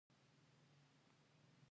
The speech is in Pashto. بيا يې څو حديثونه هم بيان کړل.